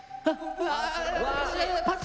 パス！